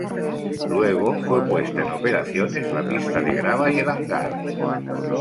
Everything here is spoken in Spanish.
Luego fue puesta en operaciones la pista de grava y el hangar.